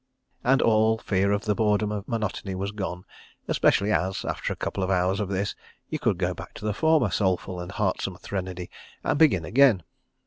and all fear of the boredom of monotony was gone—especially as, after a couple of hours of this, you could go back to the former soulful and heartsome Threnody, and begin again.